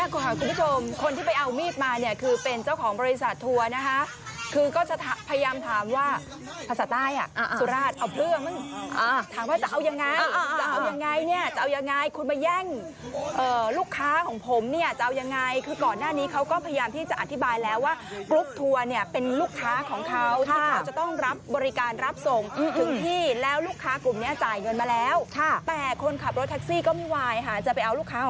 คุณผู้ชมคนที่ไปเอามีดมาเนี่ยคือเป็นเจ้าของบริษัททัวร์นะฮะคือก็จะพยายามถามว่าภาษาใต้อ่ะสุราชเอาเพลืองมึงอ่าถามว่าจะเอายังไงจะเอายังไงเนี่ยจะเอายังไงคุณมาแย่งเอ่อลูกค้าของผมเนี่ยจะเอายังไงคือก่อนหน้านี้เขาก็พยายามที่จะอธิบายแล้วว่ากลุ่มทัวร์เนี่ยเป็นลูกค้าของเขาที่เขาจะต้องรับบริ